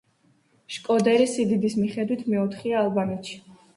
შკოდერი სიდიდის მიხედვით მეოთხეა ალბანეთში.